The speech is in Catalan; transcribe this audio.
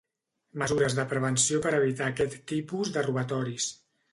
Mesures de prevenció per evitar aquest tipus de robatoris.